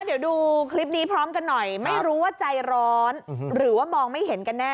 เดี๋ยวดูคลิปนี้พร้อมกันหน่อยไม่รู้ว่าใจร้อนหรือว่ามองไม่เห็นกันแน่